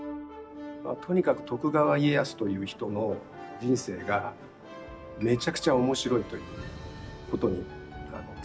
とにかく徳川家康という人の人生がめちゃくちゃ面白いということに尽きるんですけど。